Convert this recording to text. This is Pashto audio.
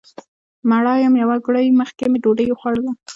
مړه یم یو ګړی مخکې مې ډوډۍ وخوړله